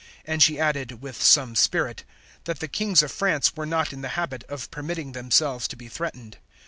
And she added, with some spirit, that the Kings of France were not in the habit of permitting themselves to be threatened.